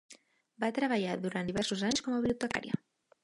Va treballar durant diversos anys com a bibliotecària.